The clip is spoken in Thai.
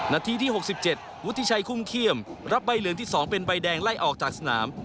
นาทีที่๖๗วุฒิชัยคุ้มเขี้ยมรับใบเหลืองที่๒เป็นใบแดงไล่ออกจากสนาม